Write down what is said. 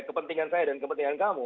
kepentingan saya dan kepentingan kamu